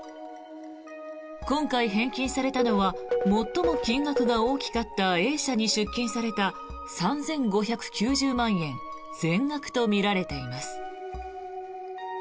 今回返金されたのは最も金額が大きかったＡ社に出金された３５９０万円全額とみられています。